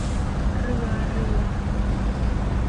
เรือ เรือ